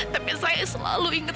tapi saya selalu ingat